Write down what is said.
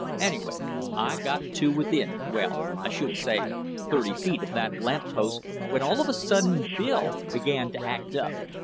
Anyway, I got to within, well I should say, thirty feet of that lamp post when all of a sudden Bill began to act up.